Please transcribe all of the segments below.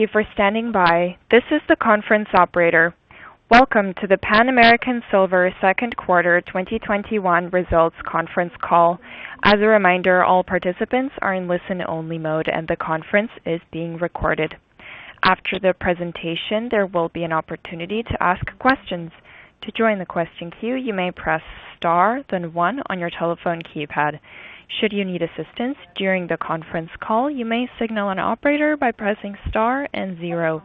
Thank you for standing by. This is the conference operator. Welcome to the Pan American Silver Q2 2021 results conference call. As a reminder, all participants are in listen-only mode, and the conference is being recorded. After the presentation, there will be an opportunity to ask questions. To join the question queue, you may press star, then one on your telephone keypad. Should you need assistance during the conference call, you may signal an operator by pressing star and 0.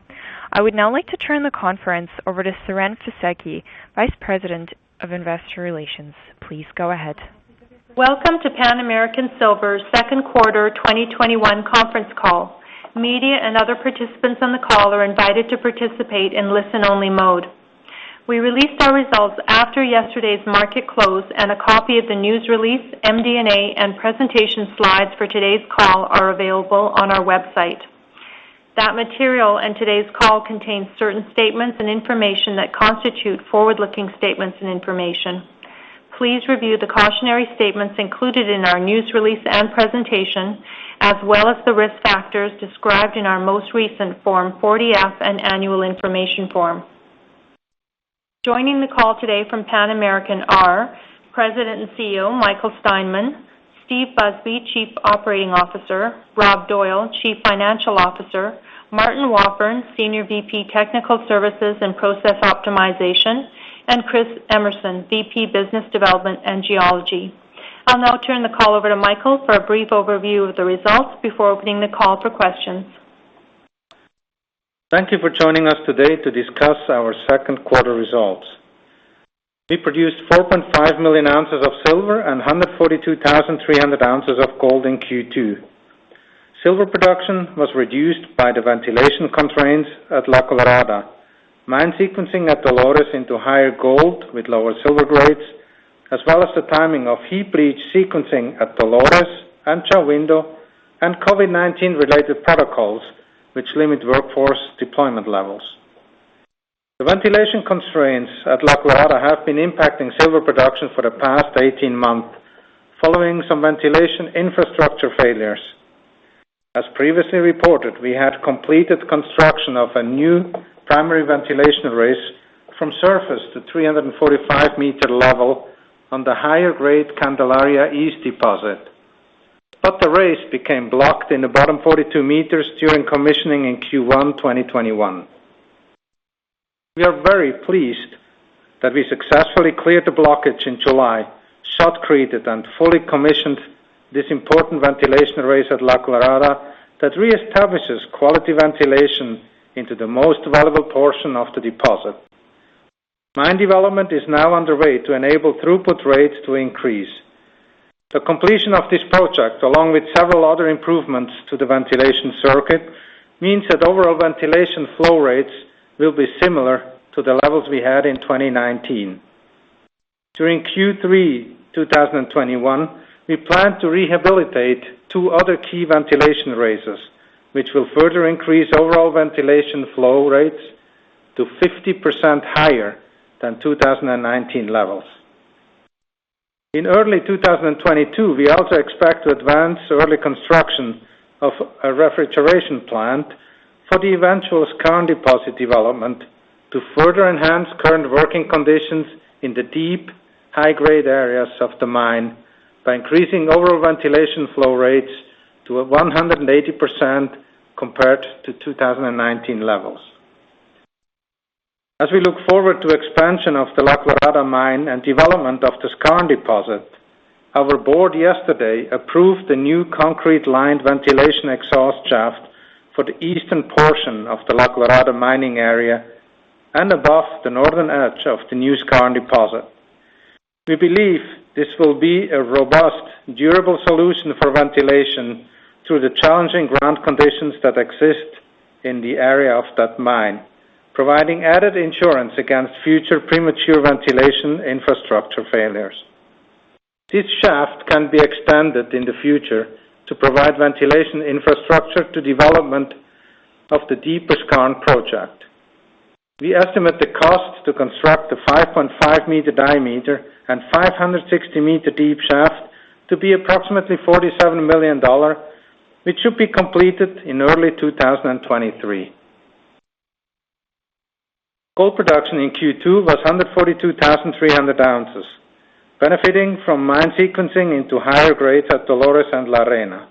I would now like to turn the conference over to Siren Fisekci, Vice President of Investor Relations. Please go ahead. Welcome to Pan American Silver's Q2 2021 conference call. Media and other participants on the call are invited to participate in listen-only mode. We released our results after yesterday's market close, and a copy of the news release, MD&A, and presentation slides for today's call are available on our website. That material and today's call contain certain statements and information that constitute forward-looking statements and information. Please review the cautionary statements included in our news release and presentation, as well as the risk factors described in our most recent Form 40-F and annual information form. Joining the call today from Pan American are President and CEO, Michael Steinmann, Steve Busby, Chief Operating Officer, Rob Doyle, Chief Financial Officer, Martin Wafforn, Senior VP Technical Services and Process Optimization, and Chris Emerson, VP Business Development and Geology. I'll now turn the call over to Michael for a brief overview of the results before opening the call for questions. Thank you for joining us today to discuss our Q2 results. We produced 4.5 million ounces of silver and 142,300 ounces of gold in Q2. Silver production was reduced by the ventilation constraints at La Colorada, mine sequencing at Dolores into higher gold with lower silver grades, as well as the timing of heap leach sequencing at Dolores and Shahuindo, and COVID-19 related protocols, which limit workforce deployment levels. The ventilation constraints at La Colorada have been impacting silver production for the past 18 months, following some ventilation infrastructure failures. As previously reported, we had completed construction of a new primary ventilation race from surface to 345-meter level on the higher grade Candelaria East deposit. The race became blocked in the bottom 42 meters during commissioning in Q1 2021. We are very pleased that we successfully cleared the blockage in July, shotcreted, and fully commissioned this important ventilation race at La Colorada that reestablishes quality ventilation into the most valuable portion of the deposit. Mine development is now underway to enable throughput rates to increase. The completion of this project, along with several other improvements to the ventilation circuit, means that overall ventilation flow rates will be similar to the levels we had in 2019. During Q3 2021, we plan to rehabilitate two other key ventilation races, which will further increase overall ventilation flow rates to 50% higher than 2019 levels. In early 2022, we also expect to advance early construction of a refrigeration plant for the eventual Skarn deposit development to further enhance current working conditions in the deep, high-grade areas of the mine by increasing overall ventilation flow rates to a 180% compared to 2019 levels. As we look forward to expansion of the La Colorada mine and development of the Skarn deposit, our board yesterday approved the new concrete-lined ventilation exhaust shaft for the eastern portion of the La Colorada mining area and above the northern edge of the new Skarn deposit. We believe this will be a robust, durable solution for ventilation through the challenging ground conditions that exist in the area of that mine, providing added insurance against future premature ventilation infrastructure failures. This shaft can be extended in the future to provide ventilation infrastructure to development of the deeper Skarn project. We estimate the cost to construct a 5.5-meter diameter and 560-meter deep shaft to be approximately $47 million, which should be completed in early 2023. Gold production in Q2 was 142,300 ounces, benefiting from mine sequencing into higher grades at Dolores and La Arena.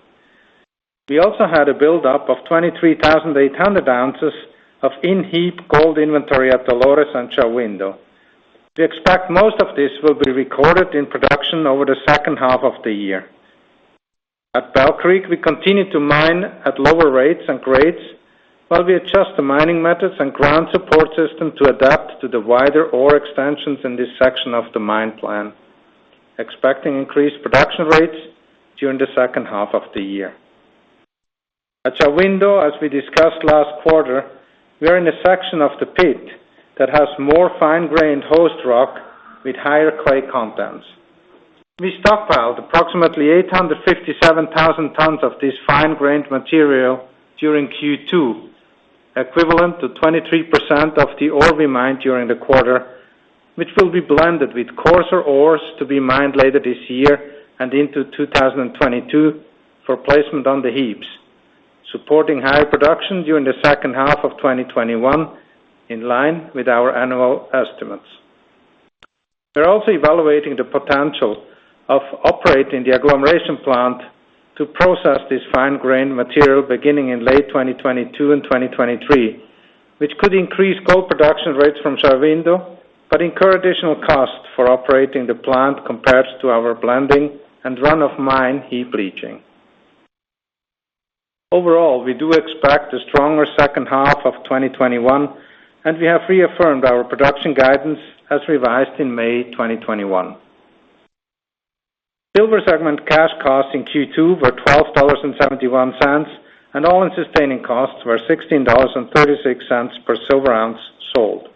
We also had a buildup of 23,800 ounces of in-heap gold inventory at Dolores and Shahuindo. We expect most of this will be recorded in production over the second half of the year. At Bell Creek, we continue to mine at lower rates and grades while we adjust the mining methods and ground support system to adapt to the wider ore extensions in this section of the mine plan, expecting increased production rates during the second half of the year. At Shahuindo, as we discussed last quarter, we are in a section of the pit that has more fine-grained host rock with higher clay contents. We stockpiled approximately 857,000 tons of this fine-grained material during Q2, equivalent to 23% of the ore we mined during the quarter, which will be blended with coarser ores to be mined later this year and into 2022 for placement on the heaps, supporting higher production during the second half of 2021, in line with our annual estimates. We are also evaluating the potential of operating the agglomeration plant to process this fine grain material beginning in late 2022 and 2023, which could increase gold production rates from San Vicente, but incur additional costs for operating the plant compared to our blending and run-of-mine heap leaching. Overall, we do expect a stronger second half of 2021, and we have reaffirmed our production guidance as revised in May 2021. Silver segment cash costs in Q2 were $12.71, and all-in sustaining costs were $16.36 per silver ounce sold.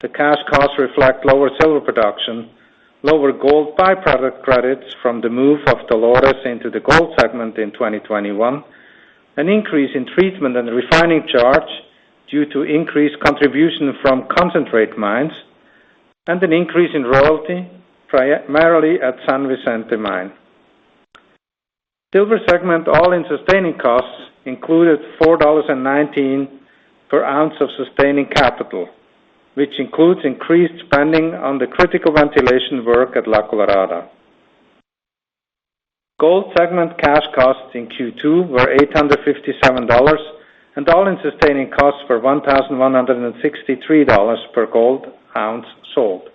The cash costs reflect lower silver production, lower gold by-product credits from the move of Dolores into the gold segment in 2021, an increase in treatment and refining charge due to increased contribution from concentrate mines, and an increase in royalty, primarily at San Vicente Mine. Silver segment all-in sustaining costs included $4.19 per ounce of sustaining capital, which includes increased spending on the critical ventilation work at La Colorada. Gold segment cash costs in Q2 were $857, and all-in sustaining costs were $1,163 per gold ounce sold.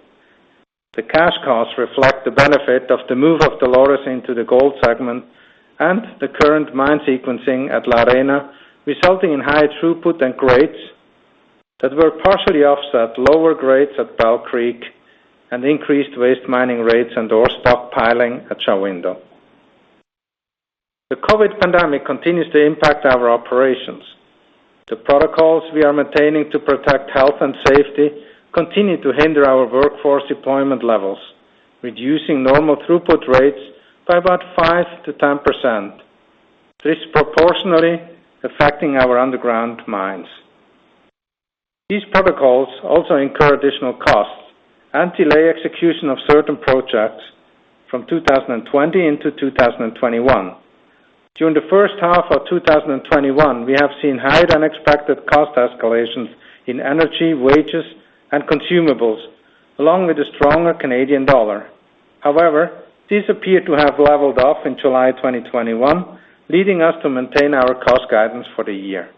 The cash costs reflect the benefit of the move of Dolores into the gold segment and the current mine sequencing at La Arena, resulting in higher throughput and grades that were partially offset lower grades at Bell Creek and increased waste mining rates and ore stockpiling at San Vicente. The COVID-19 pandemic continues to impact our operations. The protocols we are maintaining to protect health and safety continue to hinder our workforce deployment levels, reducing normal throughput rates by about 5%-10%, disproportionately affecting our underground mines. These protocols also incur additional costs and delay execution of certain projects from 2020 into 2021. During the first half of 2021, we have seen higher than expected cost escalations in energy, wages, and consumables, along with the stronger Canadian dollar. These appear to have leveled off in July 2021, leading us to maintain our cost guidance for the year.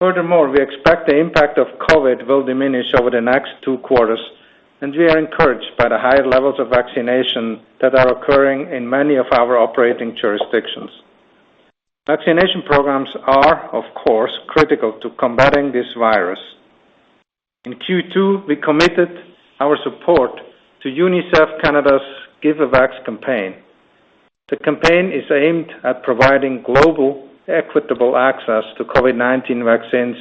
We expect the impact of COVID-19 will diminish over the next Q2, and we are encouraged by the higher levels of vaccination that are occurring in many of our operating jurisdictions. Vaccination programs are, of course, critical to combating this virus. In Q2, we committed our support to UNICEF Canada's Give A Vax campaign. The campaign is aimed at providing global equitable access to COVID-19 vaccines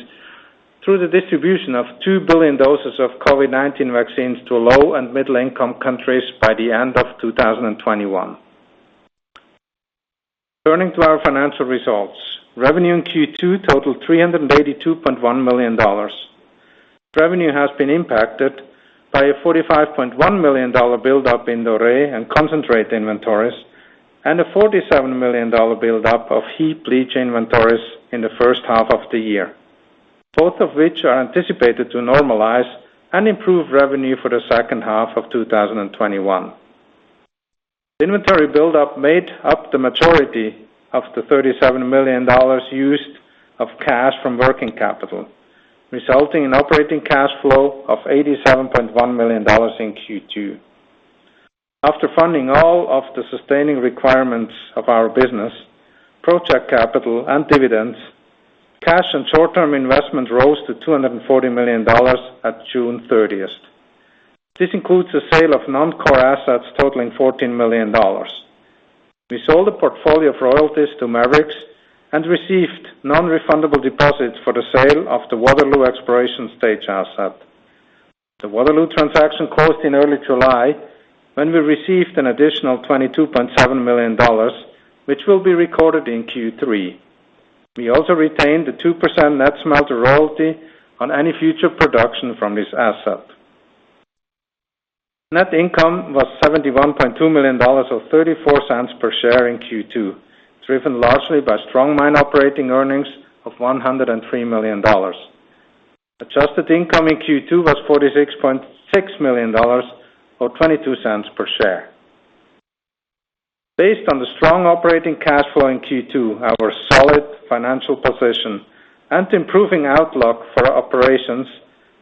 through the distribution of 2 billion doses of COVID-19 vaccines to low and middle income countries by the end of 2021. Turning to our financial results. Revenue in Q2 totaled $382.1 million. Revenue has been impacted by a $45.1 million buildup in the ore and concentrate inventories, and a $47 million buildup of heap leach inventories in the first half of the year, both of which are anticipated to normalize and improve revenue for the second half of 2021. Inventory buildup made up the majority of the $37 million used of cash from working capital, resulting in operating cash flow of $87.1 million in Q2. After funding all of the sustaining requirements of our business, project capital and dividends, cash and short-term investment rose to $240 million at June 30th. This includes the sale of non-core assets totaling $14 million. We sold a portfolio of royalties to Maverix Metals and received non-refundable deposits for the sale of the Waterloo exploration stage asset. The Waterloo transaction closed in early July, when we received an additional $22.7 million, which will be recorded in Q3. We also retained a two percent net smelter royalty on any future production from this asset. Net income was $71.2 million, or $0.34 per share in Q2, driven largely by strong mine operating earnings of $103 million. Adjusted income in Q2 was $46.6 million, or $0.22 per share. Based on the strong operating cash flow in Q2, our solid financial position, and improving outlook for our operations,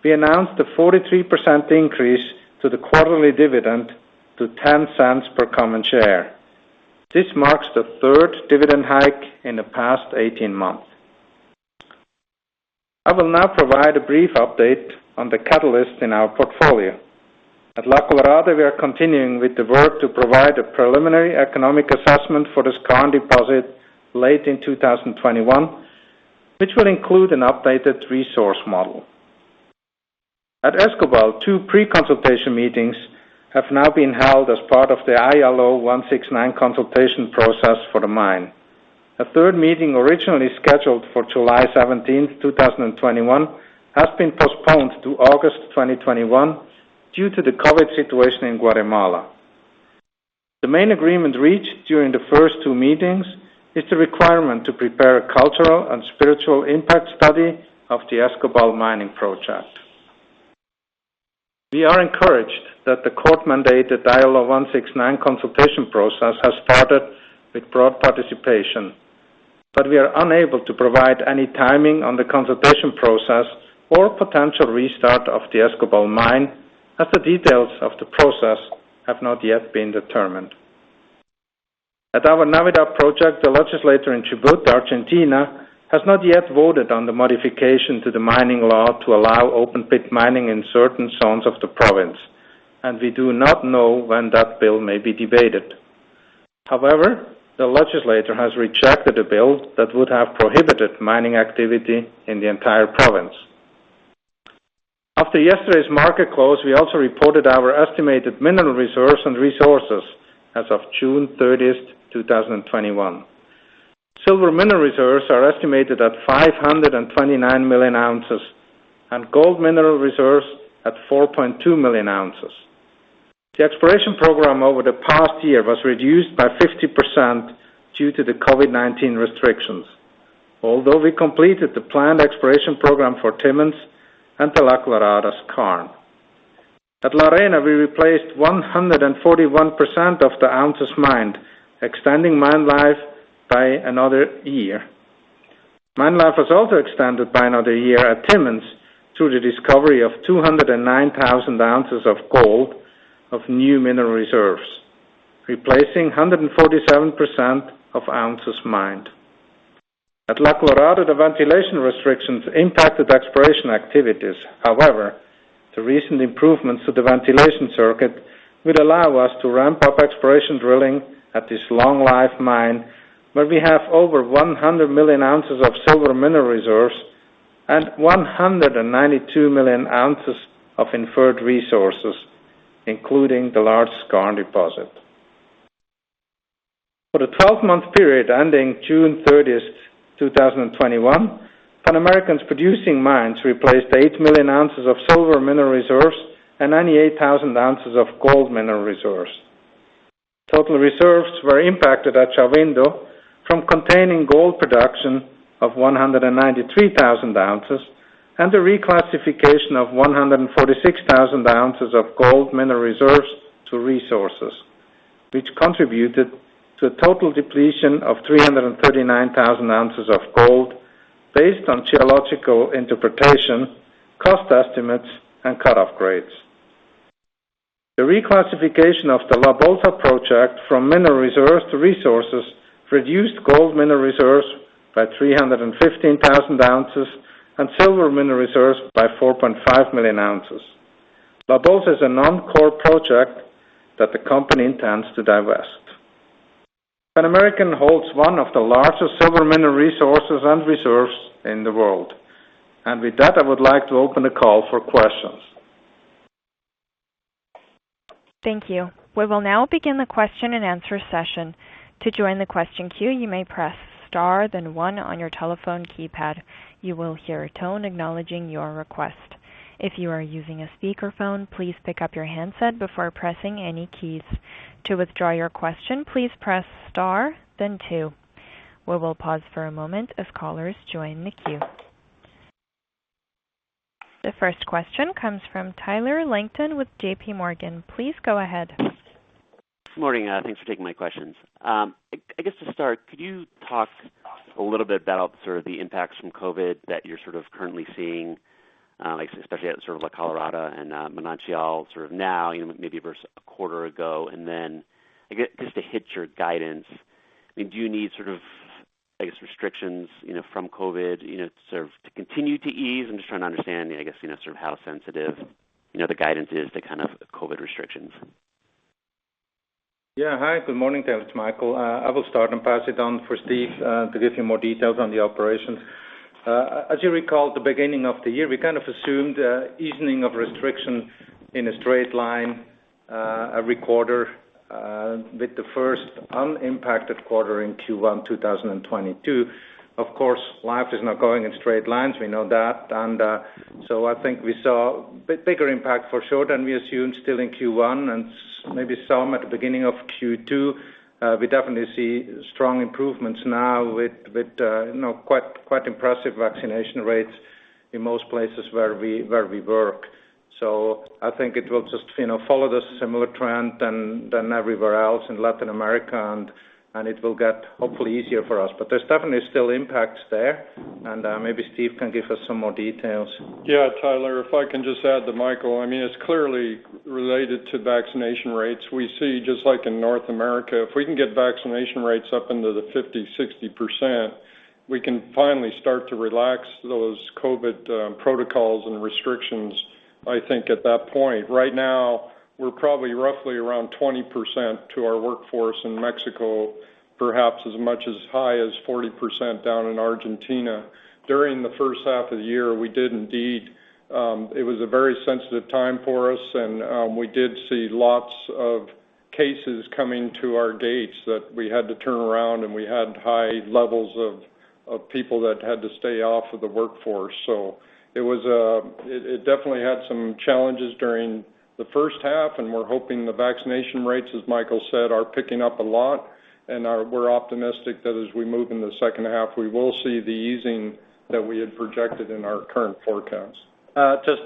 we announced a 43% increase to the quarterly dividend to $0.10 per common share. This marks the third dividend hike in the past 18 months. I will now provide a brief update on the catalyst in our portfolio. At La Colorada, we are continuing with the work to provide a preliminary economic assessment for the Skarn deposit late in 2021, which will include an updated resource model. At Escobal, two pre-consultation meetings have now been held as part of the ILO 169 consultation process for the mine. A third meeting originally scheduled for July 17th, 2021, has been postponed to August 2021 due to the COVID-19 situation in Guatemala. The main agreement reached during the first two meetings is the requirement to prepare a cultural and spiritual impact study of the Escobal Mining project. We are encouraged that the court-mandated Dialogue 169 consultation process has started with broad participation, but we are unable to provide any timing on the consultation process or potential restart of the Escobal mine as the details of the process have not yet been determined. At our Navidad project, the legislator in Chubut, Argentina, has not yet voted on the modification to the mining law to allow open-pit mining in certain zones of the province, and we do not know when that bill may be debated. However, the legislator has rejected a bill that would have prohibited mining activity in the entire province. After yesterday's market close, we also reported our estimated mineral reserves and resources as of June 30th, 2021. silver mineral reserves are estimated at 529 million ounces, and gold mineral reserves at 4.2 million ounces. The exploration program over the past year was reduced by 50% due to the COVID-19 restrictions. We completed the planned exploration program for Timmins and the La Colorada Skarn. At La Arena, we replaced 141% of the ounces mined, extending mine life by another year. Mine life was also extended by another year at Timmins through the discovery of 209,000 ounces of gold of new mineral reserves, replacing 147% of ounces mined. At La Colorada, the ventilation restrictions impacted exploration activities. The recent improvements to the ventilation circuit would allow us to ramp up exploration drilling at this long-life mine, where we have over 100 million ounces of silver mineral reserves and 192 million ounces of inferred resources, including the large Skarn deposit. For the 12 month period ending June 30, 2021, Pan American's producing mines replaced 8 million ounces of silver mineral reserves and 98,000 ounces of gold mineral reserves. Total reserves were impacted at Chalino from containing gold production of 193,000 ounces and the reclassification of 146,000 ounces of gold mineral reserves to resources, which contributed to a total depletion of 339,000 ounces of gold based on geological interpretation, cost estimates, and cut off grades. The reclassification of the La Bolsa project from mineral reserves to resources reduced gold mineral reserves by 315,000 ounces and silver mineral reserves by 4.5 million ounces. La Bolsa is a non-core project that the company intends to divest. Pan American holds one of the largest silver mineral resources and reserves in the world. With that, I would like to open the call for questions. Thank you. We will now begin the question and answer session. The first question comes from Tyler Langton with JP Morgan. Please go ahead. Good morning. Thanks for taking my questions. I guess to start, could you talk a little bit about sort of the impacts from COVID that you're currently seeing, especially at La Colorada and Manantial now maybe versus a quarter ago? I guess just to hit your guidance, do you need sort of, I guess, restrictions from COVID to continue to ease? I'm just trying to understand, I guess, how sensitive the guidance is to kind of COVID restrictions. Yeah. Hi, good morning, Tyler. It's Michael. I will start and pass it on for Steve to give you more details on the operations. As you recall, at the beginning of the year, we kind of assumed easing of restrictions in a straight line every quarter, with the first unimpacted quarter in Q1 2022. Of course, life is not going in straight lines. We know that. I think we saw a bigger impact for sure than we assumed still in Q1 and maybe some at the beginning of Q2. We definitely see strong improvements now with quite impressive vaccination rates in most places where we work. I think it will just follow the similar trend than everywhere else in Latin America, and it will get hopefully easier for us. There's definitely still impacts there, and maybe Steve can give us some more details. Yeah, Tyler, if I can just add to Michael. It's clearly related to vaccination rates. We see, just like in North America, if we can get vaccination rates up into the 50%, 60%, we can finally start to relax those COVID protocols and restrictions, I think at that point. Right now, we're probably roughly around 20% to our workforce in Mexico, perhaps as much as high as 40% down in Argentina. During the first half of the year, it was a very sensitive time for us, and we did see lots of cases coming to our gates that we had to turn around, and we had high levels of people that had to stay off of the workforce. It definitely had some challenges during the first half, and we're hoping the vaccination rates, as Michael said, are picking up a lot, and we're optimistic that as we move into the second half, we will see the easing that we had projected in our current forecast.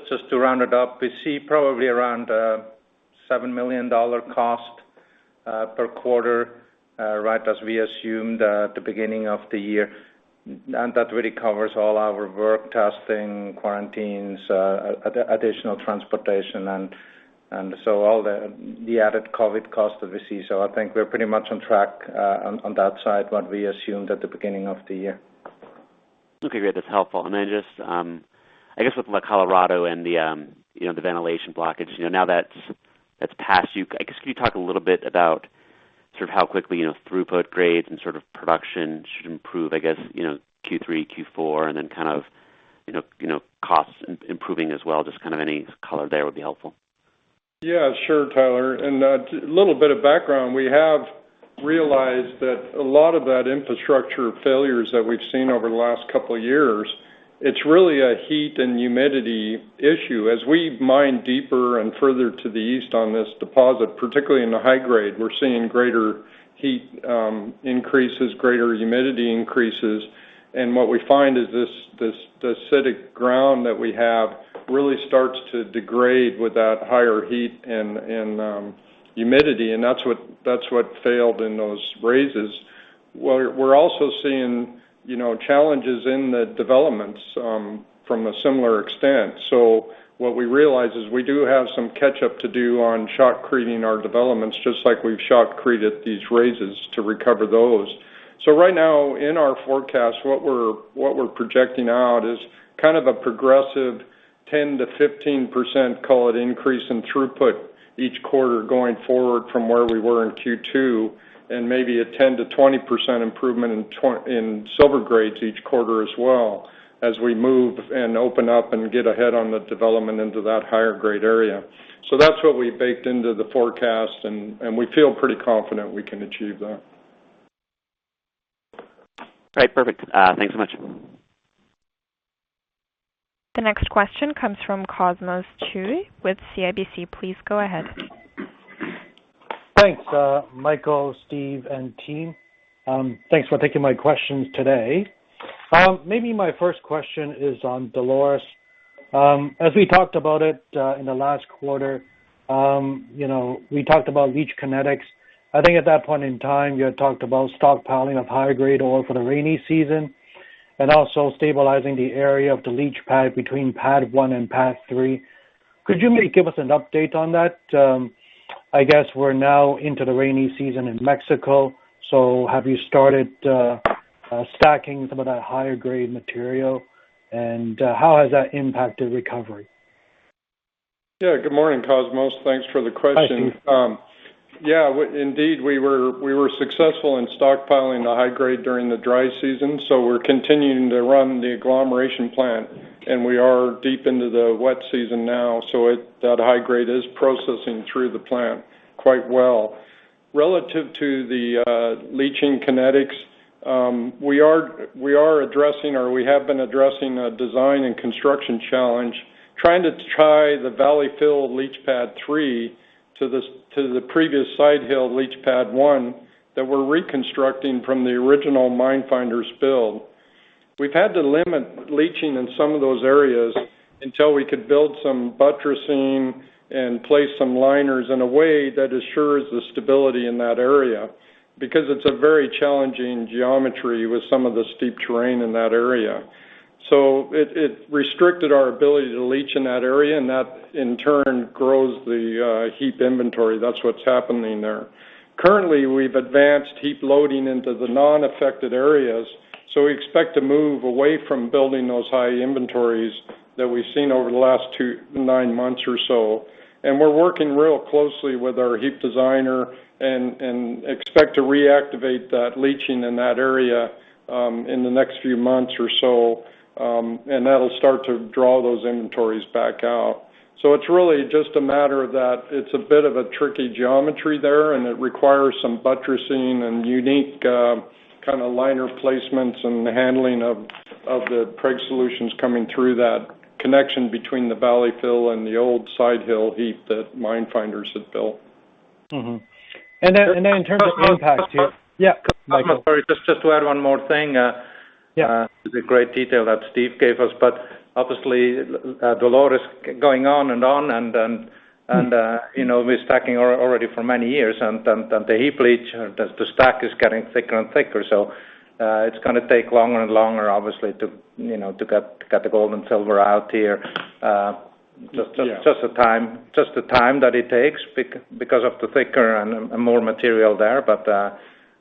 Just to round it up, we see probably around a $7 million cost per quarter, right as we assumed at the beginning of the year. That really covers all our work testing, quarantines, additional transportation, all the added COVID costs that we see. I think we're pretty much on track on that side, what we assumed at the beginning of the year. Okay, great. That's helpful. Then just, I guess with Colorado and the ventilation blockage, now that's passed you, I guess, can you talk a little bit about how quickly throughput grades and production should improve, I guess, Q3, Q4, and then costs improving as well, just any color there would be helpful? Yeah, sure, Tyler. A little bit of background. We have realized that a lot of that infrastructure failures that we've seen over the last couple of years, it's really a heat and humidity issue. As we mine deeper and further to the east on this deposit, particularly in the high grade, we're seeing greater heat increases, greater humidity increases. What we find is this acidic ground that we have really starts to degrade with that higher heat and humidity, and that's what failed in those raises. We're also seeing challenges in the developments from a similar extent. What we realize is we do have some catch up to do on shotcreting our developments, just like we've shotcrested these raises to recover those. Right now, in our forecast, what we're projecting out is a progressive 10%-15% call it increase in throughput each quarter going forward from where we were in Q2, and maybe a 10%-20% improvement in silver grades each quarter as well as we move and open up and get ahead on the development into that higher grade area. That's what we baked into the forecast, and we feel pretty confident we can achieve that. Right. Perfect. Thanks so much. The next question comes from Cosmos Chiu with CIBC. Please go ahead. Thanks, Michael, Steve, and team. Thanks for taking my questions today. Maybe my first question is on Dolores. As we talked about it in the last quarter, we talked about leach kinetics. I think at that point in time, you had talked about stockpiling of high grade ore for the rainy season and also stabilizing the area of the leach pad between pad one and pad three. Could you maybe give us an update on that? I guess we're now into the rainy season in Mexico, so have you started stacking some of that higher grade material, and how has that impacted recovery? Yeah. Good morning, Cosmos. Thanks for the question. Hi, Steve. Yeah, indeed, we were successful in stockpiling the high grade during the dry season, we're continuing to run the agglomeration plant, we are deep into the wet season now, that high grade is processing through the plant quite well. Relative to the leaching kinetics, we are addressing or we have been addressing a design and construction challenge, trying to tie the valley fill leach pad three to the previous side hill leach pad one that we're reconstructing from the original Minefinders spill. We've had to limit leaching in some of those areas until we could build some buttressing and place some liners in a way that assures the stability in that area, because it's a very challenging geometry with some of the steep terrain in that area. It restricted our ability to leach in that area, that in turn grows the heap inventory. That's what's happening there. Currently, we've advanced heap loading into the non-affected areas, so we expect to move away from building those high inventories that we've seen over the last nine months or so. We're working real closely with our heap designer and expect to reactivate that leaching in that area in the next few months or so, and that'll start to draw those inventories back out. It's really just a matter that it's a bit of a tricky geometry there, and it requires some buttressing and unique kind of liner placements and handling of the preg solutions coming through that connection between the valley fill and the old side hill heap that Minefinders had built. Mm-hmm. Then in terms of impact here. Cosmos. Yeah, Michael. I'm sorry, just to add one more thing. Yeah. The great detail that Steve gave us, but obviously, Dolores going on and on, and we're stacking already for many years, and the heap leach, the stack is getting thicker and thicker. It's going to take longer and longer, obviously, to get the gold and silver out here. Yeah. Just the time that it takes because of the thicker and more material there. Yeah.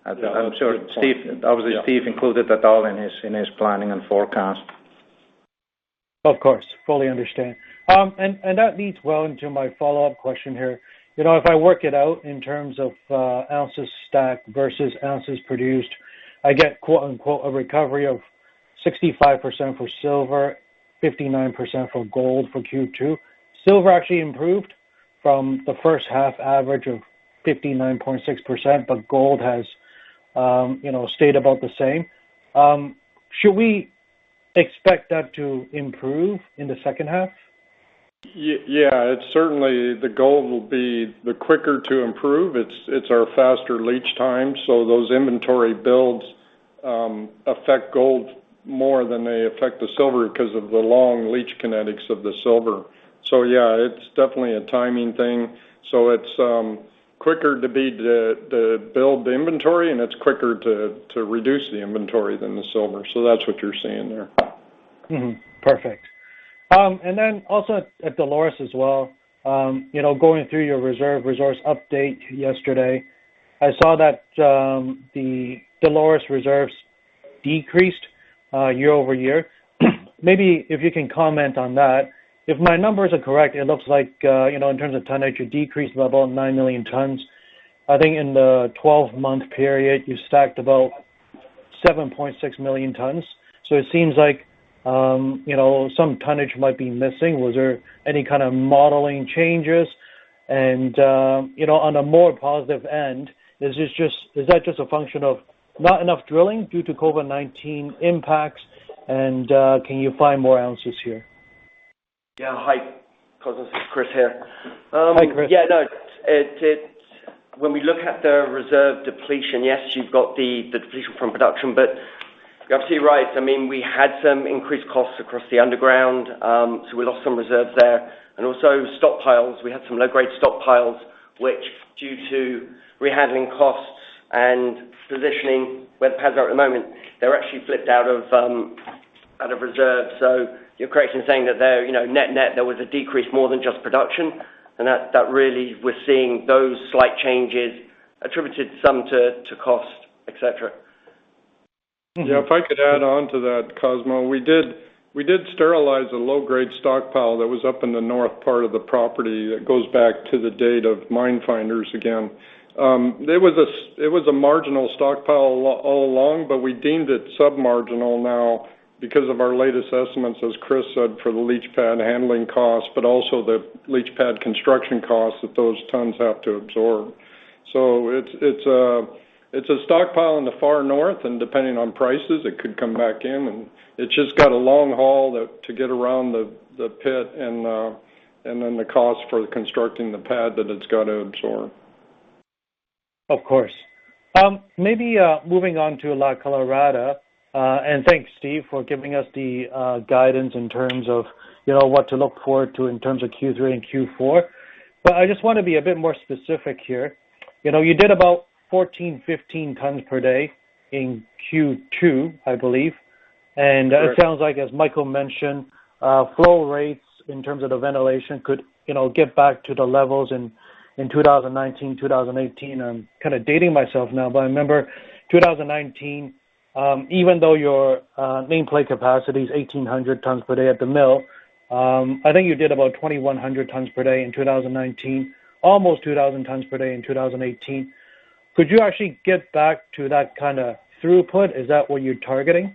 Good point. Yeah. Obviously, Steve included that all in his planning and forecast. Of course. Fully understand. That leads well into my follow-up question here. If I work it out in terms of ounces stacked versus ounces produced, I get, quote unquote, "A recovery of 65% for silver, 59% for gold for Q2. Silver actually improved from the first half average of 59.6%. Gold has stayed about the same. Should we expect that to improve in the second half? Yeah. Certainly, the gold will be the quicker to improve. It's our faster leach time, so those inventory builds affect gold more than they affect the silver because of the long leach kinetics of the silver. Yeah, it's definitely a timing thing. It's quicker to build the inventory, and it's quicker to reduce the inventory than the silver. That's what you're seeing there. Mm-hmm. Perfect. Also at Dolores as well, going through your reserve resource update yesterday, I saw that the Dolores reserves decreased year-over-year. Maybe if you can comment on that. If my numbers are correct, it looks like, in terms of tonnage, you decreased by about 9 million tons. I think in the 12 month period, you stacked about 7.6 million tons. It seems like some tonnage might be missing. Was there any kind of modeling changes? On a more positive end, is that just a function of not enough drilling due to COVID-19 impacts? Can you find more ounces here? Yeah. Hi, Cosmos Chiu, Chris Emerson here. Hi, Chris. Yeah, no. When we look at the reserve depletion, yes, you've got the depletion from production, but you're absolutely right. We had some increased costs across the underground, so we lost some reserves there. Also stockpiles, we had some low-grade stockpiles, which, due to rehandling costs and positioning where the pads are at the moment, they were actually flipped out of reserves. You're correct in saying that net-net, there was a decrease more than just production, and that really we're seeing those slight changes attributed some to cost, et cetera. Yeah, if I could add on to that, Cosmos. We did sterilize a low-grade stockpile that was up in the north part of the property. It goes back to the date of Minefinders again. It was a marginal stockpile all along, but we deemed it submarginal now because of our latest estimates, as Chris said, for the leach pad handling costs, but also the leach pad construction costs that those tons have to absorb. It's a stockpile in the far north, and depending on prices, it could come back in. It's just got a long haul to get around the pit and then the cost for constructing the pad that it's got to absorb. Of course. Maybe moving on to La Colorada. Thanks, Steve, for giving us the guidance in terms of what to look forward to in terms of Q3 and Q4. I just want to be a bit more specific here. You did about 14, 15 tons per day in Q2, I believe. Correct. It sounds like, as Michael mentioned, flow rates in terms of the ventilation could get back to the levels in 2019, 2018. I'm kind of dating myself now. I remember 2019, even though your main play capacity is 1,800 tons per day at the mill, I think you did about 2,100 tons per day in 2019, almost 2,000 tons per day in 2018. Could you actually get back to that kind of throughput? Is that what you're targeting?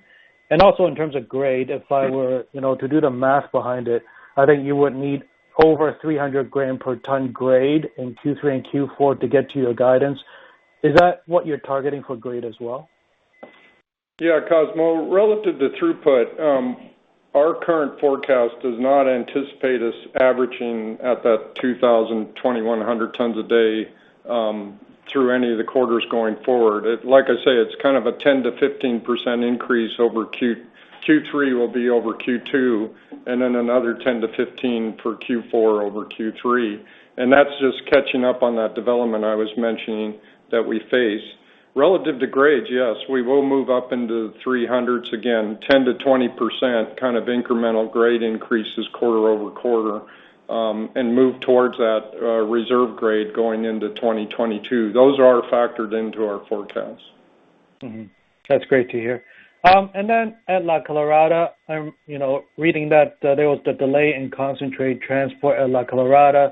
In terms of grade, if I were to do the math behind it, I think you would need over 300 gram per ton grade in Q3 and Q4 to get to your guidance. Is that what you're targeting for grade as well? Yeah, Cosmos, relative to throughput, our current forecast does not anticipate us averaging at that 2,000, 2,100 tons a day through any of the quarters going forward. Like I say, it's kind of a 10%-15% increase. Q3 will be over Q2, and then another 10%-15% for Q4 over Q3. That's just catching up on that development I was mentioning that we face. Relative to grades, yes, we will move up into the 300s again, 10%-20% incremental grade increases quarter over quarter, and move towards that reserve grade going into 2022. Those are factored into our forecast. Mm-hmm. That's great to hear. At La Colorada, I'm reading that there was the delay in concentrate transport at La Colorada.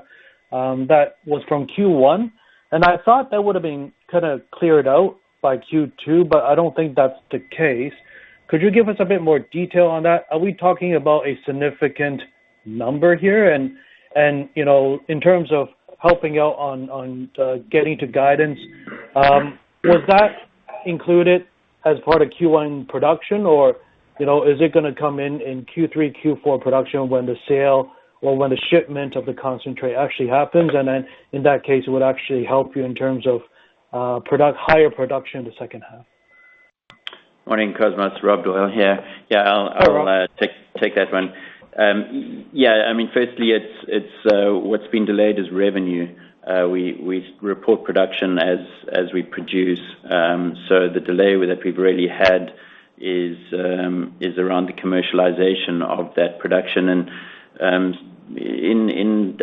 That was from Q1, and I thought that would've been kind of cleared out by Q2, but I don't think that's the case. Could you give us a bit more detail on that? Are we talking about a significant number here? In terms of helping out on getting to guidance, was that included as part of Q1 production, or is it going to come in in Q3, Q4 production when the sale or when the shipment of the concentrate actually happens? In that case, it would actually help you in terms of higher production in the second half. Morning, Cosmos. Rob Doyle here. Yeah. Hi, Rob. I'll take that one. Yeah. Firstly, what's been delayed is revenue. We report production as we produce. The delay that we've really had is around the commercialization of that production. In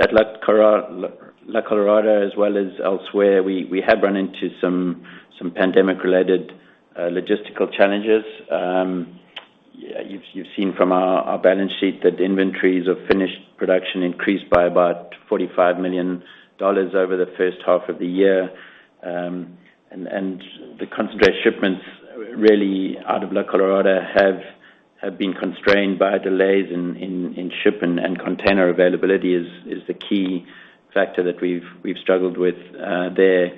La Colorada as well as elsewhere, we have run into some pandemic-related logistical challenges. You've seen from our balance sheet that inventories of finished production increased by about $45 million over the first half of the year. The concentrate shipments really out of La Colorada have been constrained by delays in shipping and container availability is the key factor that we've struggled with there.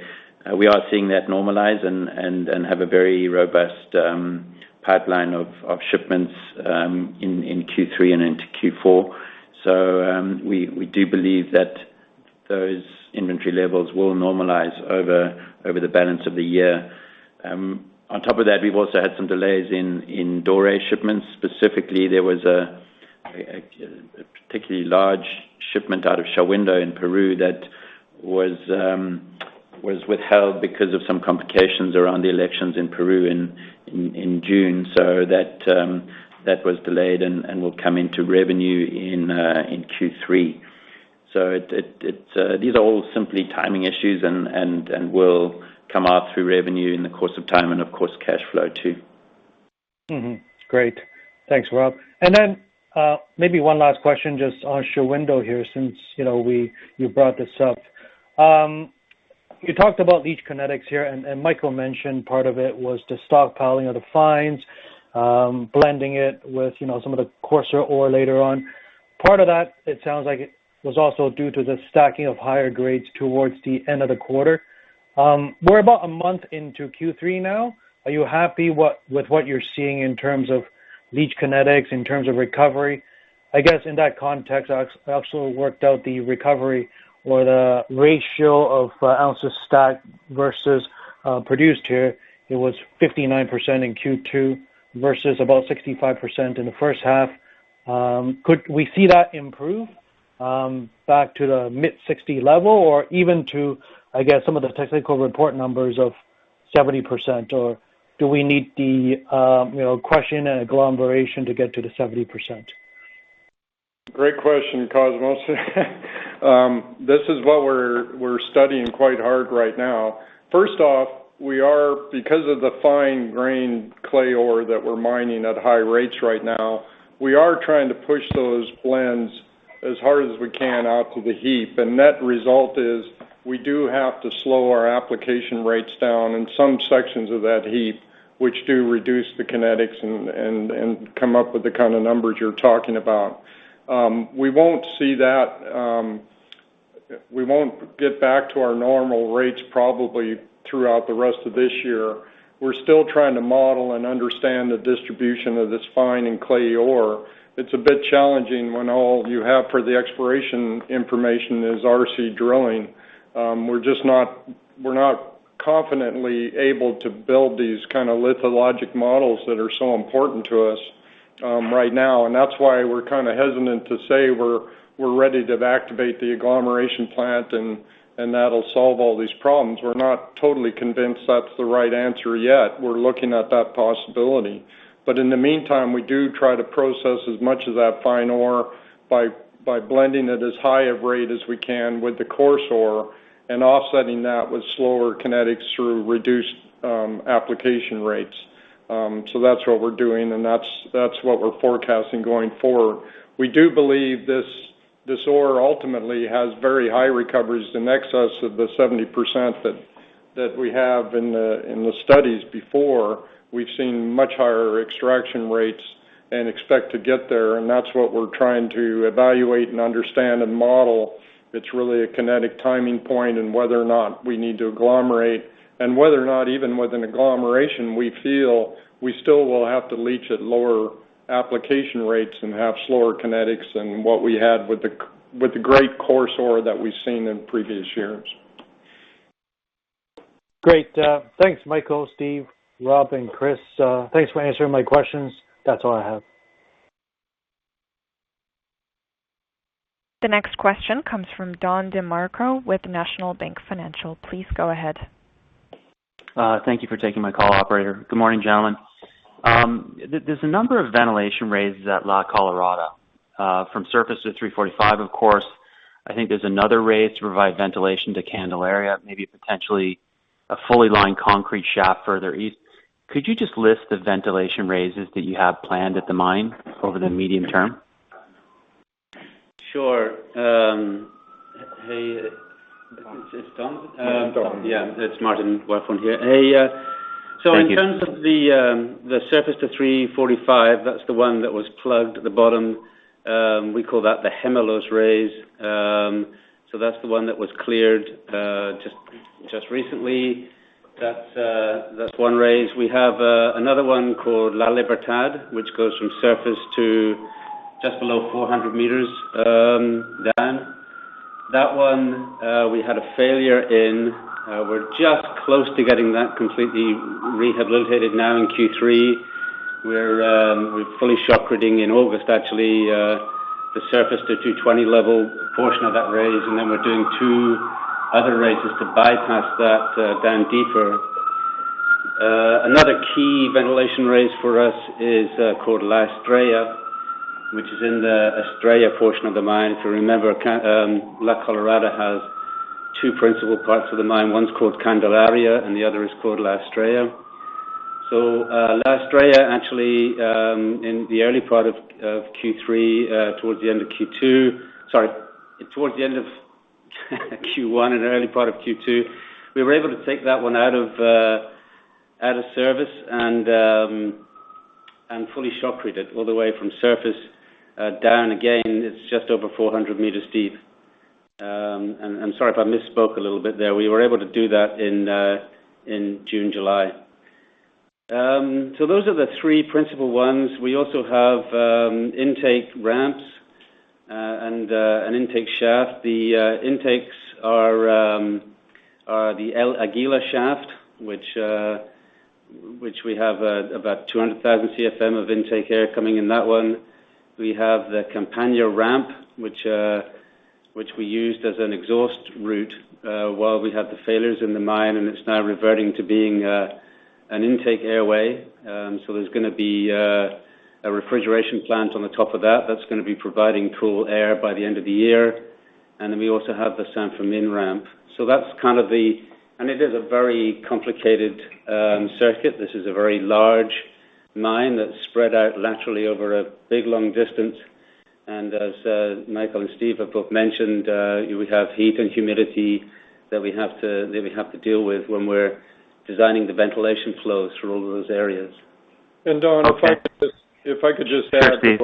We are seeing that normalize and have a very robust pipeline of shipments in Q3 and into Q4. We do believe that those inventory levels will normalize over the balance of the year. On top of that, we've also had some delays in doré shipments. Specifically, there was a particularly large shipment out of Shahuindo in Peru that was withheld because of some complications around the elections in Peru in June. That was delayed and will come into revenue in Q3. These are all simply timing issues and will come out through revenue in the course of time, and of course, cash flow too. Great. Thanks, Rob. Maybe one last question just on Shahuindo here, since you brought this up. You talked about leach kinetics here. Michael mentioned part of it was the stockpiling of the fines, blending it with some of the coarser ore later on. Part of that, it sounds like it was also due to the stacking of higher grades towards the end of the quarter. We're about a month into Q3 now. Are you happy with what you're seeing in terms of leach kinetics, in terms of recovery? I guess in that context, I also worked out the recovery or the ratio of ounces stacked versus produced here. It was 59% in Q2 versus about 65% in the first half. Could we see that improve, back to the mid-60 level or even to, I guess, some of the technical report numbers of 70% or do we need the crushing and agglomeration to get to the 70%? Great question, Cosmos Chiu. This is what we're studying quite hard right now. Because of the fine grain clay ore that we're mining at high rates right now, we are trying to push those blends as hard as we can out to the heap. Net result is we do have to slow our application rates down in some sections of that heap, which do reduce the kinetics and come up with the kind of numbers you're talking about. We won't get back to our normal rates probably throughout the rest of this year. We're still trying to model and understand the distribution of this fine and clay ore. It's a bit challenging when all you have for the exploration information is RC drilling. We're not confidently able to build these kind of lithologic models that are so important to us right now. That's why we're hesitant to say we're ready to activate the agglomeration plant and that'll solve all these problems. We're not totally convinced that's the right answer yet. We're looking at that possibility. In the meantime, we do try to process as much of that fine ore by blending it as high a rate as we can with the coarse ore and offsetting that with slower kinetics through reduced application rates. That's what we're doing, and that's what we're forecasting going forward. We do believe this ore ultimately has very high recoveries in excess of the 70% that we have in the studies before. We've seen much higher extraction rates and expect to get there, and that's what we're trying to evaluate and understand and model. It's really a kinetic timing point and whether or not we need to agglomerate and whether or not even with an agglomeration, we feel we still will have to leach at lower application rates and have slower kinetics than what we had with the great coarse ore that we've seen in previous years. Great. Thanks, Michael, Steve, Rob, and Chris. Thanks for answering my questions. That's all I have. The next question comes from Don DeMarco with National Bank Financial. Please go ahead. Thank you for taking my call, operator. Good morning, gentlemen. There's a number of ventilation raises at La Colorada, from surface to 345, of course. I think there's another raise to provide ventilation to Candelaria, maybe potentially a fully lined concrete shaft further east. Could you just list the ventilation raises that you have planned at the mine over the medium term? Sure. Hey, it's Don? It's Don. Yeah. It's Martin Wafforn here. Hey. Thank you. In terms of the surface to 345, that's the one that was plugged at the bottom. We call that the Gemelos raise. That's the one that was cleared just recently. That's one raise. We have another one called La Libertad, which goes from surface to just below 400 meters down. That one we had a failure in. We're just close to getting that completely rehabilitated now in Q3. We're fully shotcreting in August, actually, the surface to 220 level portion of that raise, and then we're doing two other raises to bypass that down deeper. Another key ventilation raise for us is called La Estrella, which is in the Estrella portion of the mine. If you remember, La Colorada has two principal parts of the mine. One's called Candelaria, and the other is called La Estrella. La Estrella actually, in the early part of Q3, towards the end of Q2, sorry, towards the end of Q1 and early part of Q2, we were able to take that one out of service and fully shotcrete it all the way from surface down again. It's just over 400 meters deep. I'm sorry if I misspoke a little bit there. We were able to do that in June, July. Those are the three principal ones. We also have intake ramps and an intake shaft. The intakes are the El Aguila shaft, which we have about 200,000 CFM of intake air coming in that one. We have the Campana ramp, which we used as an exhaust route while we had the failures in the mine, and it's now reverting to being an intake airway. There's going to be a refrigeration plant on the top of that's going to be providing cool air by the end of the year. We also have the San Fermin ramp. It is a very complicated circuit. This is a very large mine that's spread out laterally over a big, long distance. As Michael and Steve have both mentioned, we have heat and humidity that we have to deal with when we're designing the ventilation flows through all of those areas. Don. Yes, Steve.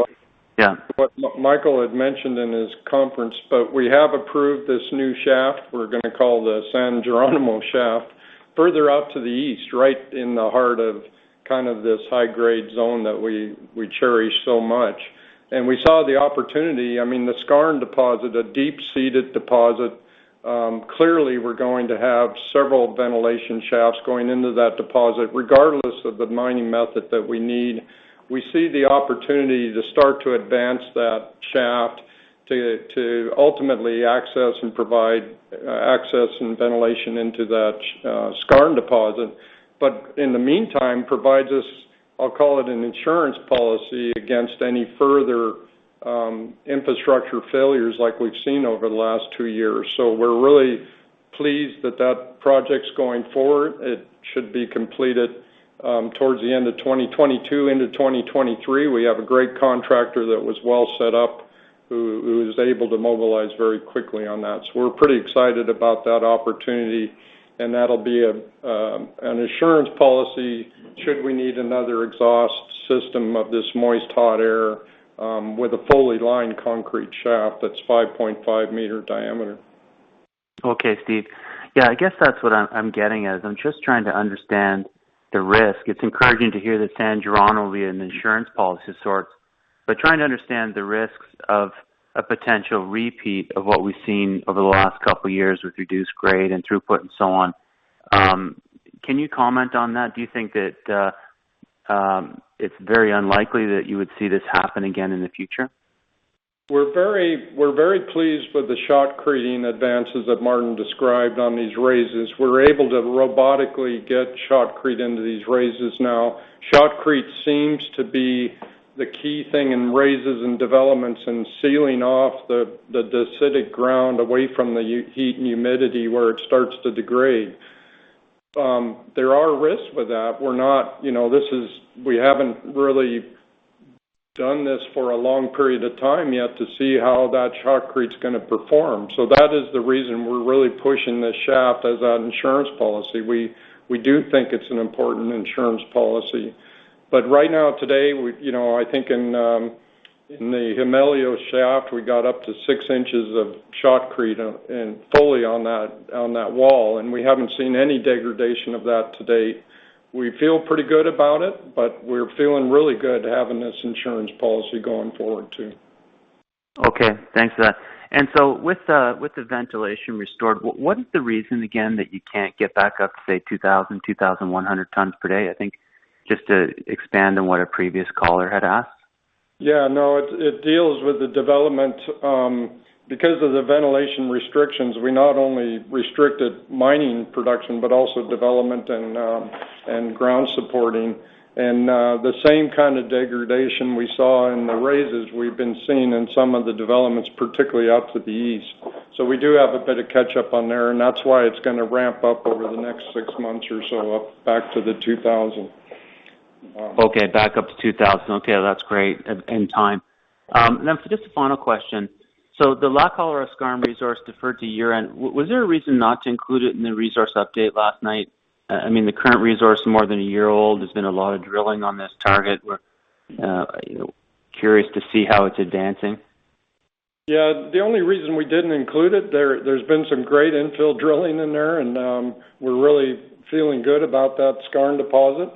Yeah What Michael had mentioned in his conference, but we have approved this new shaft we're going to call the San Jeronimo shaft, further out to the east, right in the heart of this high-grade zone that we cherish so much. We saw the opportunity, I mean, the Skarn deposit, a deep seated deposit. Clearly, we're going to have several ventilation shafts going into that deposit, regardless of the mining method that we need. We see the opportunity to start to advance that shaft to ultimately access and provide access and ventilation into that Skarn deposit. In the meantime, provides us, I'll call it an insurance policy against any further infrastructure failures like we've seen over the last two years. We're really pleased that that project's going forward. It should be completed towards the end of 2022 into 2023. We have a great contractor that was well set up who was able to mobilize very quickly on that. We're pretty excited about that opportunity, and that'll be an insurance policy should we need another exhaust system of this moist hot air, with a fully lined concrete shaft that's 5.5-meter diameter. Okay, Steve. Yeah, I guess that's what I'm getting at, is I'm just trying to understand the risk. It's encouraging to hear that San Jeronimo will be an insurance policy sort. Trying to understand the risks of a potential repeat of what we've seen over the last couple of years with reduced grade and throughput and so on. Can you comment on that? Do you think that it's very unlikely that you would see this happen again in the future? We're very pleased with the shotcreting advances that Martin described on these raises. We're able to robotically get shotcrete into these raises now. Shotcrete seems to be the key thing in raises and developments, and sealing off the acidic ground away from the heat and humidity where it starts to degrade. There are risks with that. We haven't really done this for a long period of time yet to see how that shotcrete's going to perform. That is the reason we're really pushing this shaft as an insurance policy. We do think it's an important insurance policy. Right now, today, I think in the Gemelo shaft, we got up to six inches of shotcrete fully on that wall, and we haven't seen any degradation of that to date. We feel pretty good about it, but we're feeling really good having this insurance policy going forward, too. Okay. Thanks for that. With the ventilation restored, what is the reason, again, that you can't get back up to, say, 2,000, 2,100 tons per day? I think just to expand on what a previous caller had asked. Yeah. No, it deals with the development. Because of the ventilation restrictions, we not only restricted mining production, but also development and ground supporting. The same kind of degradation we saw in the raises, we've been seeing in some of the developments, particularly out to the east. We do have a bit of catch up on there, and that's why it's going to ramp up over the next six months or so, up back to the 2,000. Okay. Back up to 2,000. Okay. That's great. Time. For just a final question. The La Colorada Skarn resource deferred to year-end. Was there a reason not to include it in the resource update last night? The current resource is more than a year old. There's been a lot of drilling on this target. We're curious to see how it's advancing. The only reason we didn't include it there's been some great infill drilling in there, and we're really feeling good about that Skarn deposit.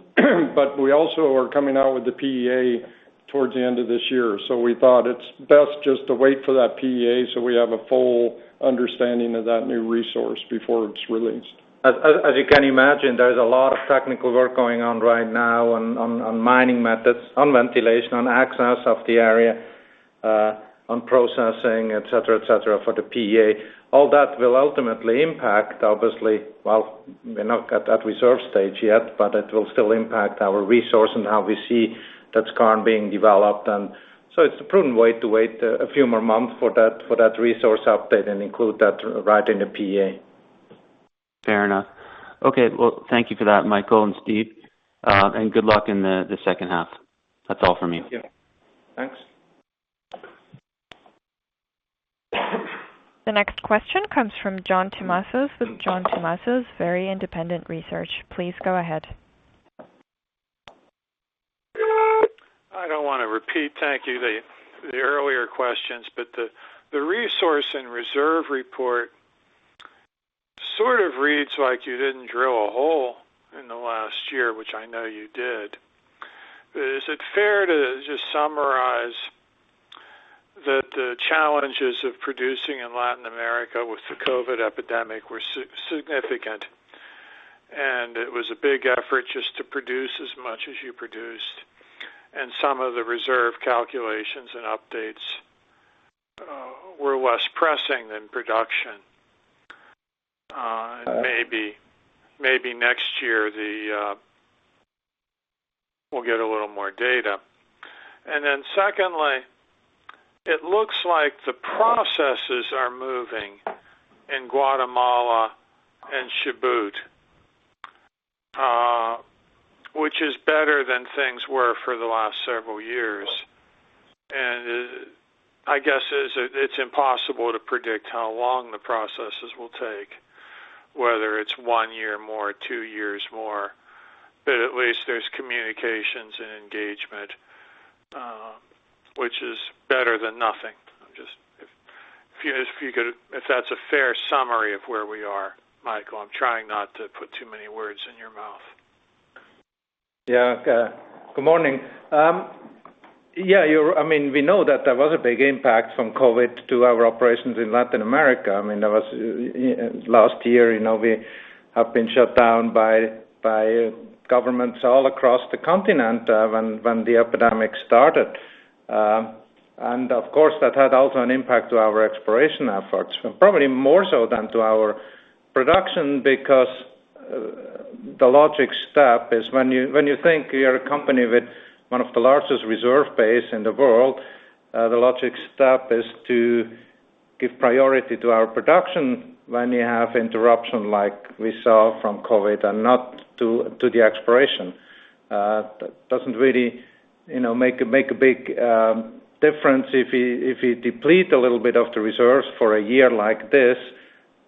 We also are coming out with the PEA towards the end of this year, so we thought it's best just to wait for that PEA so we have a full understanding of that new resource before it's released. As you can imagine, there is a lot of technical work going on right now on mining methods, on ventilation, on access of the area, on processing, et cetera, for the PEA. All that will ultimately impact, obviously, well, we're not at that reserve stage yet, but it will still impact our resource and how we see that Skarn being developed. It's the prudent way to wait a few more months for that resource update and include that right in the PEA. Fair enough. Okay. Well, thank you for that, Michael and Steve. Good luck in the second half. That's all from me. Yeah. The next question comes from John Tumazos with John Tumazos Very Independent Research. Please go ahead. I don't want to repeat, thank you, the earlier questions, but the resource and reserve report sort of reads like you didn't drill a hole in the last year, which I know you did. Is it fair to just summarize that the challenges of producing in Latin America with the COVID-19 epidemic were significant, and it was a big effort just to produce as much as you produced, and some of the reserve calculations and updates were less pressing than production? Maybe next year, we'll get a little more data. Then secondly, it looks like the processes are moving in Guatemala and Chubut, which is better than things were for the last several years. I guess it's impossible to predict how long the processes will take, whether it's one year more, two years more, but at least there's communications and engagement, which is better than nothing. If that's a fair summary of where we are, Michael, I'm trying not to put too many words in your mouth. Yeah. Good morning. We know that there was a big impact from COVID to our operations in Latin America. Last year, we have been shut down by governments all across the continent when the epidemic started. Of course, that had also an impact to our exploration efforts, probably more so than to our production because the logic step is when you think you're a company with one of the largest reserve base in the world, the logic step is to give priority to our production when you have interruption like we saw from COVID and not to the exploration. That doesn't really make a big difference if you deplete a little bit of the reserves for a year like this,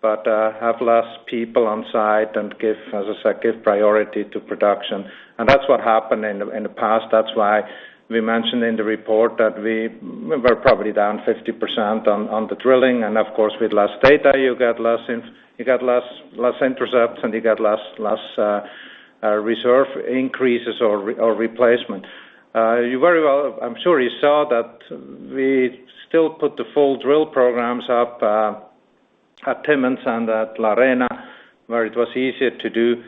have less people on site and give, as I said, give priority to production. That's what happened in the past. That's why we mentioned in the report that we were probably down 50% on the drilling. Of course, with less data, you got less intercepts. You got less reserve increases or replacement. I'm sure you saw that we still put the full drill programs up at Timmins and at La Arena where it was easier to do.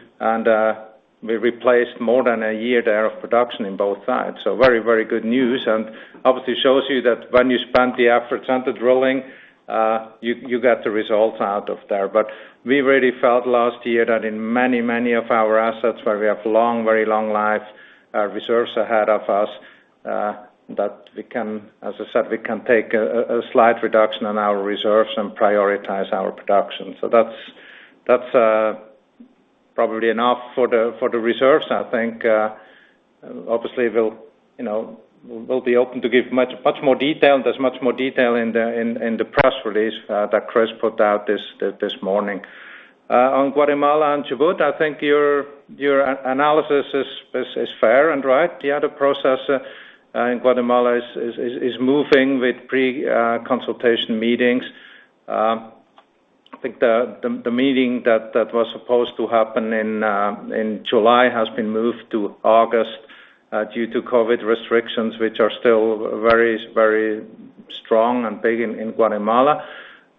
We replaced more than one year there of production in both sites. Very good news and obviously shows you that when you spend the efforts on the drilling, you get the results out of there. We really felt last year that in many of our assets where we have very long life reserves ahead of us, that we can, as I said, we can take a slight reduction on our reserves and prioritize our production. That's probably enough for the reserves. I think, obviously, we'll be open to give much more detail. There's much more detail in the press release that Chris put out this morning. On Guatemala and Chubut, I think your analysis is fair and right. The other process in Guatemala is moving with pre-consultation meetings. I think the meeting that was supposed to happen in July has been moved to August due to COVID restrictions, which are still very strong and big in Guatemala.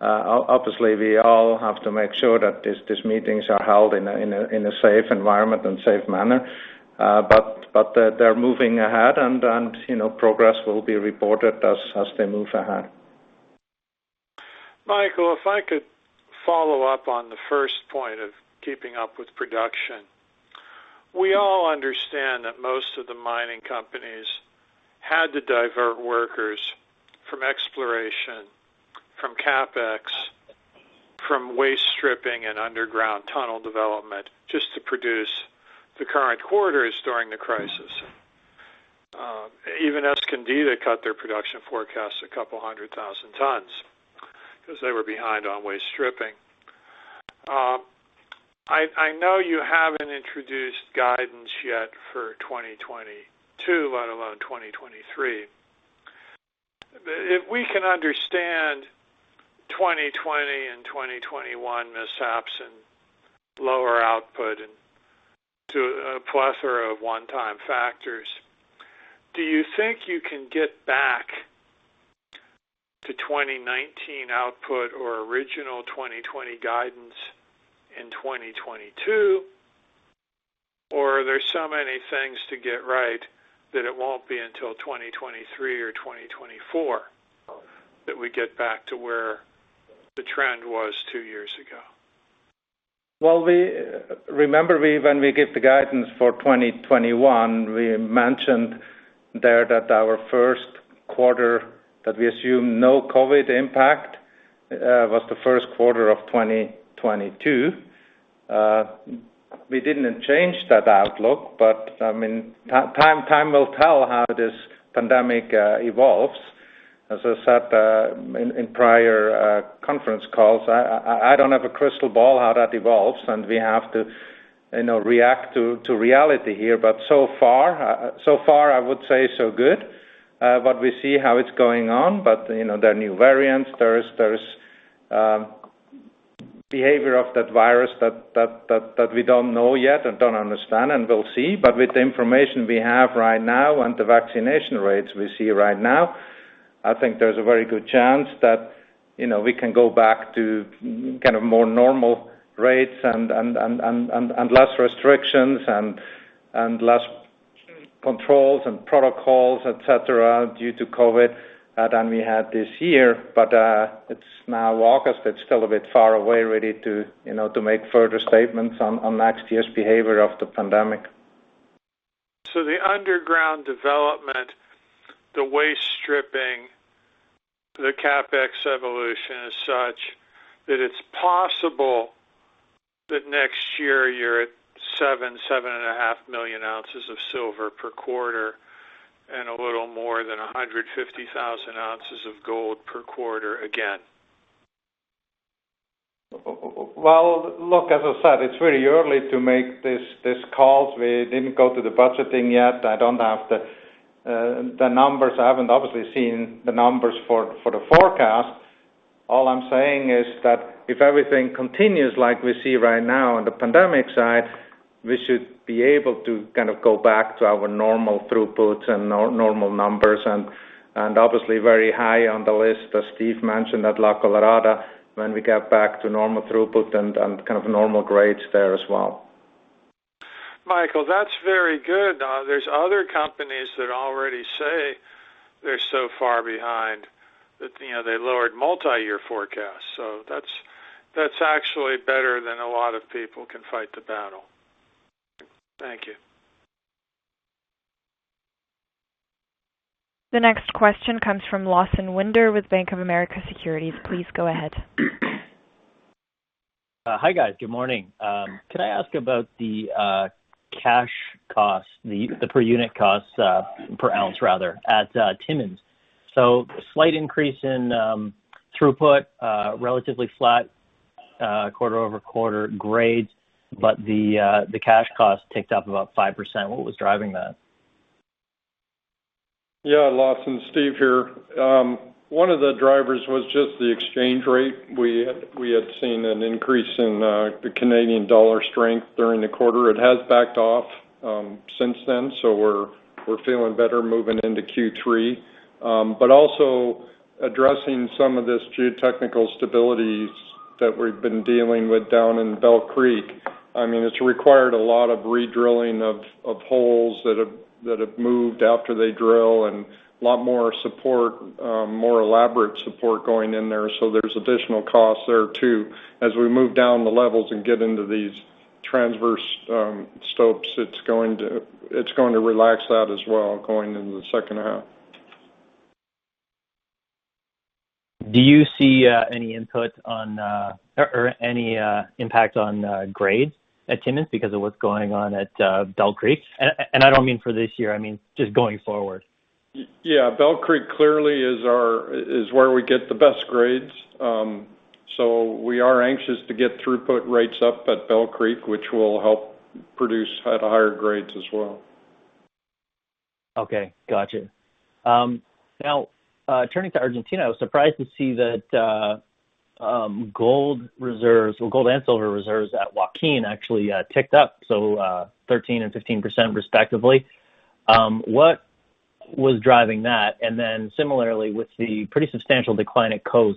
We all have to make sure that these meetings are held in a safe environment and safe manner. They're moving ahead and progress will be reported as they move ahead. Michael Steinmann, if I could follow up on the first point of keeping up with production. We all understand that most of the mining companies had to divert workers from exploration, from CapEx, from waste stripping and underground tunnel development just to produce the current quarters during the crisis. Even Escondida cut their production forecast 200,000 tons because they were behind on waste stripping. I know you haven't introduced guidance yet for 2022, let alone 2023. If we can understand 2020 and 2021 mishaps and lower output and to a plethora of one time factors, do you think you can get back to 2019 output or original 2020 guidance in 2022? Are there so many things to get right that it won't be until 2023 or 2024 that we get back to where the trend was two years ago? Well, remember when we give the guidance for 2021, we mentioned there that our Q1 that we assume no COVID-19 impact was the Q1 of 2022. Time will tell how this pandemic evolves. As I said in prior conference calls, I don't have a crystal ball how that evolves, and we have to react to reality here. So far, I would say, so good. We see how it's going on. There are new variants. There is behavior of that virus that we don't know yet and don't understand, and we'll see. With the information we have right now and the vaccination rates we see right now, I think there's a very good chance that we can go back to more normal rates and less restrictions and less controls and protocols, et cetera, due to COVID-19 than we had this year. It's now August. It's still a bit far away, really, to make further statements on next year's behavior of the pandemic. The underground development, the waste stripping, the CapEx evolution is such that it's possible that next year you're at 7.5 million ounces of silver per quarter, and a little more than 150,000 ounces of gold per quarter again. Well, look, as I said, it's very early to make these calls. We didn't go to the budgeting yet. I don't have the numbers. I haven't, obviously, seen the numbers for the forecast. All I'm saying is that if everything continues like we see right now on the pandemic side, we should be able to go back to our normal throughputs and our normal numbers. Obviously, very high on the list, as Steve mentioned at La Colorada, when we get back to normal throughput and normal grades there as well. Michael, that's very good. There's other companies that already say they're so far behind that they lowered multi-year forecasts. That's actually better than a lot of people can fight the battle. Thank you. The next question comes from Lawson Winder with Bank of America Securities. Please go ahead. Hi, guys. Good morning. Can I ask about the cash cost, the per unit cost, per ounce rather, at Timmins? A slight increase in throughput, a relatively flat quarter-over-quarter grade, but the cash cost ticked up about five percent. What was driving that? Lawson, Steve here. One of the drivers was just the exchange rate. We had seen an increase in the Canadian dollar strength during the quarter. It has backed off since then, we're feeling better moving into Q3. Also addressing some of this geotechnical stability that we've been dealing with down in Bell Creek. It's required a lot of redrilling of holes that have moved after they drill, and a lot more elaborate support going in there. There's additional costs there, too. We move down the levels and get into these transverse stopes, it's going to relax that as well going into the second half. Do you see any impact on grades at Timmins because of what's going on at Bell Creek? I don't mean for this year, I mean just going forward. Yeah. Bell Creek clearly is where we get the best grades. We are anxious to get throughput rates up at Bell Creek, which will help produce at higher grades as well. Turning to Argentina, I was surprised to see that gold reserves, well, gold and silver reserves at Joaquin actually ticked up, 13% and 15% respectively. What was driving that? Similarly, with the pretty substantial decline at COSE,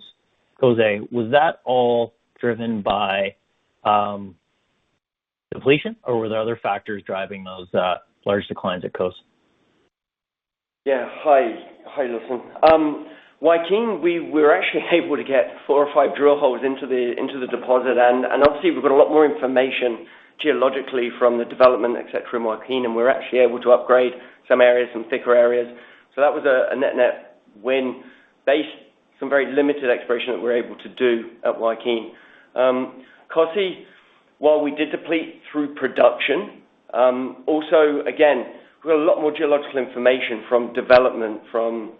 was that all driven by depletion, or were there other factors driving those large declines at COSE? Hi, Lawson. Joaquin, we were actually able to get four or five drill holes into the deposit. Obviously, we've got a lot more information geologically from the development, et cetera, in Joaquin, and we were actually able to upgrade some areas, some thicker areas. That was a net-net win based some very limited exploration that we're able to do at Joaquin. COSE, while we did deplete through production, also, again, we got a lot more geological information from development from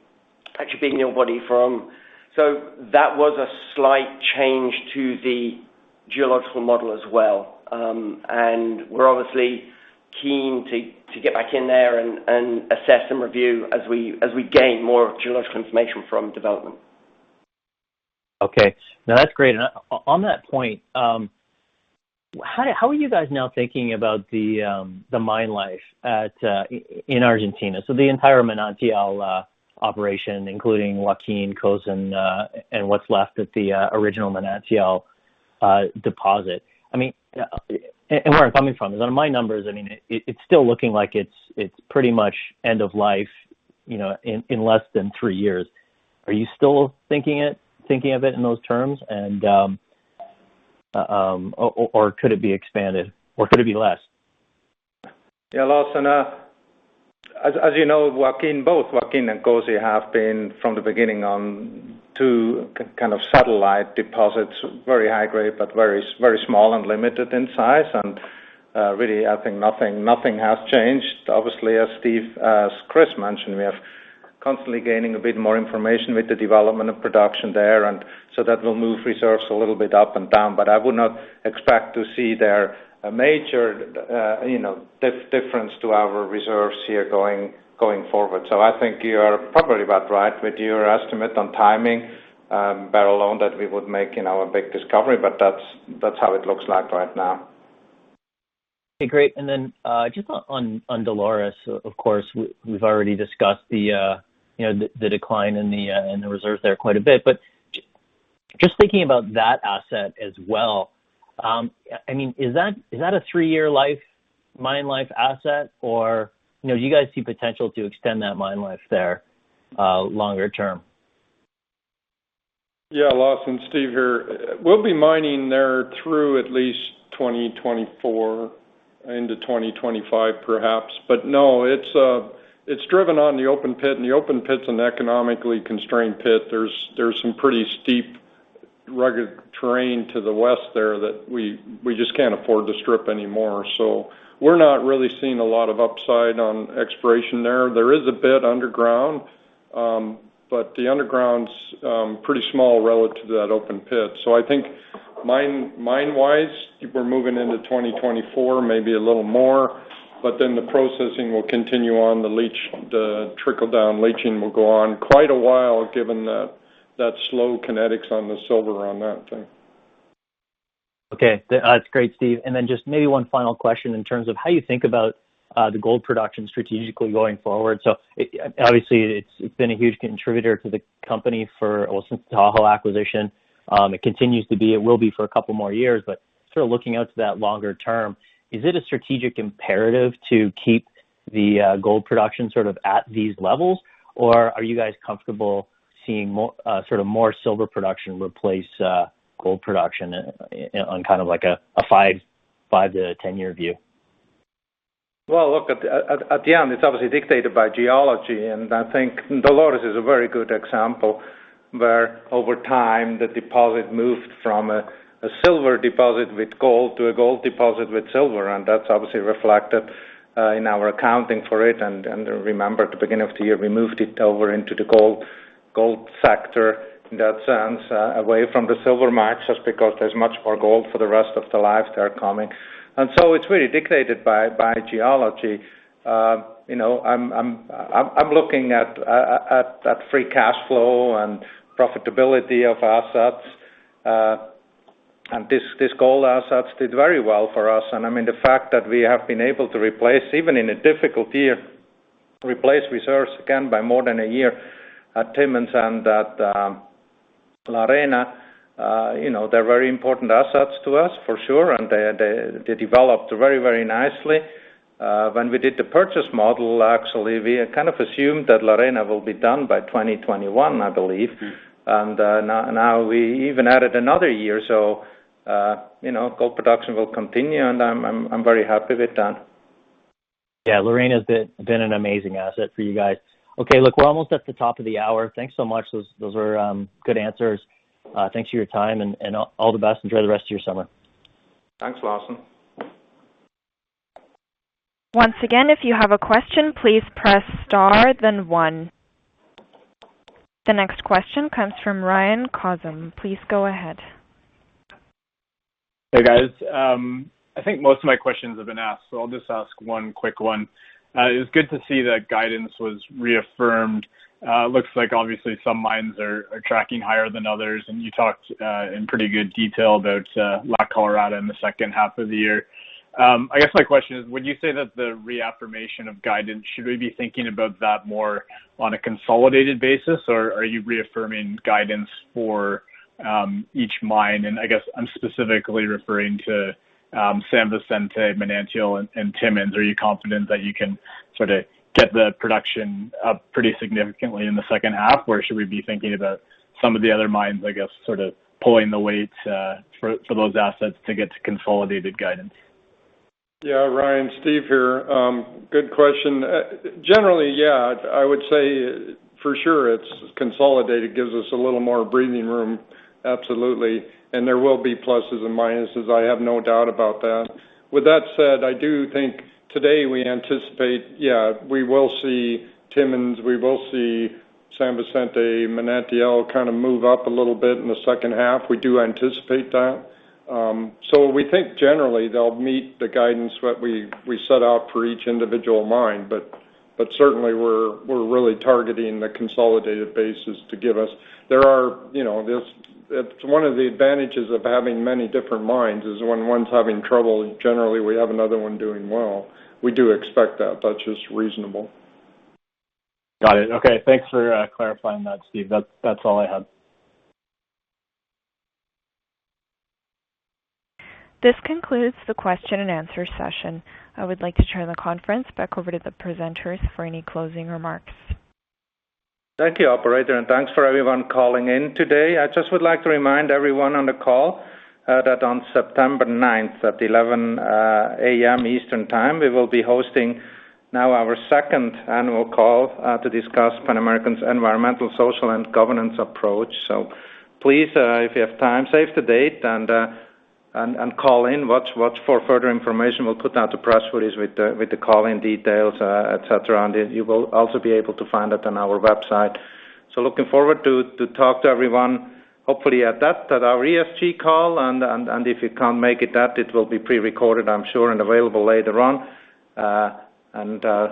actually being in your body from. That was a slight change to the geological model as well. We're obviously keen to get back in there and assess and review as we gain more geological information from development. Okay. No, that's great. On that point, how are you guys now thinking about the mine life in Argentina? The entire Manantial operation, including Joaquin, COSE, and what's left at the original Manantial deposit. Where I'm coming from is, on my numbers, it's still looking like it's pretty much end of life in less than three years. Are you still thinking of it in those terms? Could it be expanded, or could it be less? Yeah, Lawson. As you know, both Joaquin and Cozzy have been, from the beginning, two satellite deposits, very high grade, but very small and limited in size. Really, I think nothing has changed. Obviously, as Chris mentioned, we are constantly gaining a bit more information with the development of production there, and so that will move reserves a little bit up and down. I would not expect to see there a major difference to our reserves here going forward. I think you are probably about right with your estimate on timing, bar alone that we would make our big discovery, but that's how it looks like right now. Okay, great. Just on Dolores, of course, we've already discussed the decline in the reserves there quite a bit, but just thinking about that asset as well, is that a three year mine life asset, or do you guys see potential to extend that mine life there longer term? Yeah, Lawson, Steve here. We'll be mining there through at least 2024 into 2025 perhaps. No, it's driven on the open pit, and the open pit's an economically constrained pit. There's some pretty steep, rugged terrain to the west there that we just can't afford to strip anymore. We're not really seeing a lot of upside on exploration there. There is a bit underground. The underground's pretty small relative to that open pit. I think mine wise, we're moving into 2024, maybe a little more, the processing will continue on, the trickle down leaching will go on quite a while, given that slow kinetics on the silver on that thing. Okay. That's great, Steve. just maybe one final question in terms of how you think about the gold production strategically going forward. obviously, it's been a huge contributor to the company for, well, since the Tahoe acquisition. It continues to be, it will be for two more years, but looking out to that longer term, is it a strategic imperative to keep the gold production at these levels? Are you guys comfortable seeing more silver production replace gold production on a 5 -10 year view? Look, at the end, it's obviously dictated by geology, and I think Dolores is a very good example where over time, the deposit moved from a silver deposit with gold to a gold deposit with silver, and that's obviously reflected in our accounting for it. Remember, at the beginning of the year, we moved it over into the gold sector, in that sense, away from the silver markets, because there's much more gold for the rest of the life that are coming. It's really dictated by geology. I'm looking at free cash flow and profitability of assets. These gold assets did very well for us, and the fact that we have been able to replace, even in a difficult year, replace reserves again by more than one year at Timmins and at La Arena. They're very important assets to us for sure, and they developed very nicely. When we did the purchase model, actually, we kind of assumed that La Arena will be done by 2021, I believe. Now we even added another year. Gold production will continue, and I'm very happy with that. Yeah, La Arena has been an amazing asset for you guys. Okay, look, we're almost at the top of the hour. Thanks so much. Those were good answers. Thanks for your time and all the best. Enjoy the rest of your summer. Thanks, Lawson. Once again, if you have a question, please press star then one. The next question comes from Ryan Kazum. Please go ahead. Hey, guys. I think most of my questions have been asked, so I'll just ask one quick one. It was good to see that guidance was reaffirmed. It looks like obviously some mines are tracking higher than others, and you talked in pretty good detail about La Colorada in the second half of the year. I guess my question is, would you say that the reaffirmation of guidance, should we be thinking about that more on a consolidated basis, or are you reaffirming guidance for each mine? I guess I'm specifically referring to San Vicente, Minatitlán, and Timmins. Are you confident that you can sort of get the production up pretty significantly in the second half? Should we be thinking about some of the other mines, I guess, sort of pulling the weights for those assets to get to consolidated guidance? Yeah, Ryan, Steve here. Good question. Generally, yeah, I would say for sure it's consolidated, gives us a little more breathing room. Absolutely. There will be pluses and minuses, I have no doubt about that. With that said, I do think today we anticipate, yeah, we will see Timmins, we will see San Vicente, Minatitlán kind of move up a little bit in the second half. We do anticipate that. We think generally they'll meet the guidance, what we set out for each individual mine. Certainly, we're really targeting the consolidated basis to give us. One of the advantages of having many different mines is when one's having trouble, generally we have another one doing well. We do expect that. That's just reasonable. Got it. Okay. Thanks for clarifying that, Steve. That's all I had. This concludes the question and answer session. I would like to turn the conference back over to the presenters for any closing remarks. Thank you, operator, and thanks for everyone calling in today. I just would like to remind everyone on the call that on September 9th at 11:00 A.M. Eastern Time, we will be hosting now our second annual call to discuss Pan American's environmental, social, and governance approach. Please, if you have time, save the date and call in. Watch for further information. We'll put out a press release with the call-in details, et cetera, and you will also be able to find it on our website. Looking forward to talk to everyone, hopefully at our ESG call, and if you can't make it, that it will be prerecorded, I'm sure, and available later on.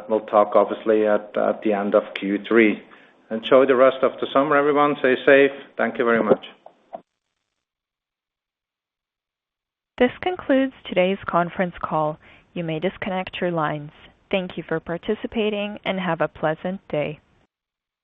We'll talk, obviously, at the end of Q3. Enjoy the rest of the summer, everyone. Stay safe. Thank you very much. This concludes today's conference call. You may disconnect your lines. Thank you for participating and have a pleasant day.